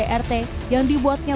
setelah laporan ini